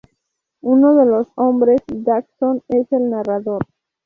Uno de los hombres, Dodgson, es el narrador.